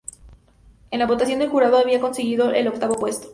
En la votación del jurado habían conseguido el octavo puesto.